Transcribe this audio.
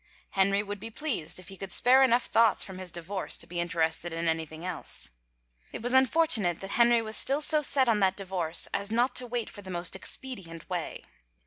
Henry would be pleased, if he could spare enough thoughts from his divorce to be interested in anything else. It was unfortunate that Henry was still so set on that divorce as not to wait for the most expedient way.